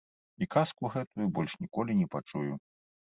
І казку гэтую больш ніколі не пачую.